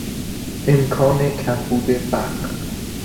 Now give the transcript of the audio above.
امکان کمبود برق